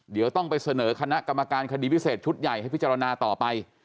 เดี๋ยวต้องไปเสนอคณะกรรมการคดีพิเศษชุดใหญ่ให้พิจารณาต่อไป